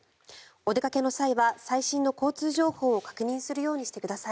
お出かけの際は最新の交通情報を確認するようにしてください。